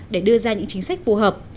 để đưa ra những chính sách phù hợp